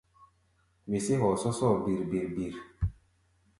Wesé hɔɔ sɔ́sɔ́ɔ bir-bir-bir.